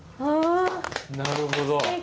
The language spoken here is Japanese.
なるほど。